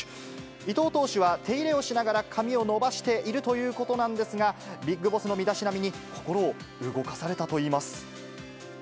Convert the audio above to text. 伊藤投手は手入れをしながら髪を伸ばしているということなんですが、ビッグボスの身だしなみに心を動かされたといいます。